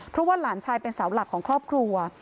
เพราะว่าหลานชายเป็นเสาหลักของครอบครัว